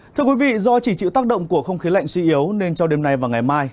thưa quý vị do chỉ chịu tác động của không khí lạnh suy yếu nên trong đêm nay và ngày mai